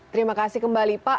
terima kasih kembali pak